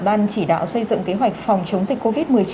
ban chỉ đạo xây dựng kế hoạch phòng chống dịch covid một mươi chín